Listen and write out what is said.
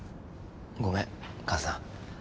ごめん母さん